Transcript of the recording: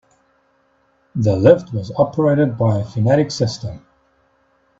The lift was operated by a pneumatic system.